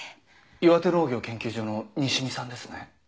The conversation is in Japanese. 岩手農業研究所の西見さんですね？